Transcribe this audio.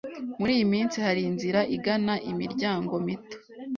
Muri iyi minsi hari inzira igana imiryango mito